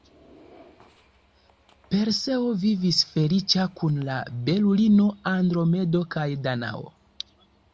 Perseo vivis feliĉa kun la belulino Andromedo kaj Danao.